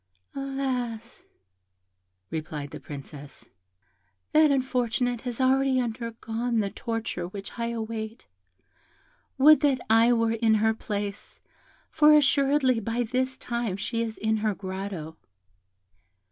"Alas!" replied the Princess, "that unfortunate has already undergone the torture which I await; would that I were in her place, for assuredly by this time she is in her grotto."